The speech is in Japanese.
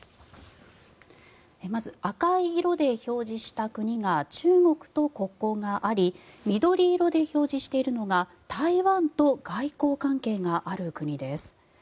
まず赤い色で表示した国が中国と国交があり緑色で表示しているのが台湾と外交関係がある国です。